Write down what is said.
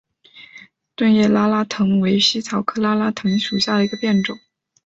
钝叶拉拉藤为茜草科拉拉藤属下的一个变种。